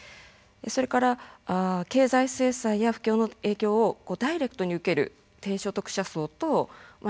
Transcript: それから経済制裁や不況の影響をダイレクトに受ける低所得者層と痛みを感じていない富裕層。